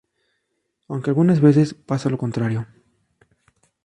Aunque algunas veces, pasa lo contrario.